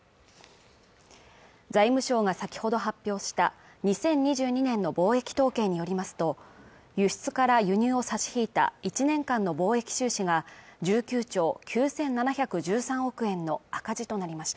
財務省が先ほど発表した２０２２年の貿易統計によりますと輸出から輸入を差し引いた１年間の貿易収支が１９兆９７１３億円の赤字となりました